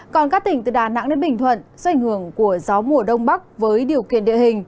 còn các tỉnh từ đà nẵng đến bình thuận do ảnh hưởng của gió mùa đông bắc với điều kiện địa hình